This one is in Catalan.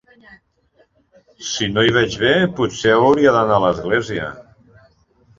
Si no hi veig bé, potser hauria d'anar a l'església.